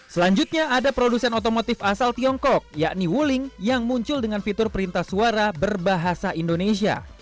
selanjutnya ada produsen otomotif asal tiongkok yakni wuling yang muncul dengan fitur perintah suara berbahasa indonesia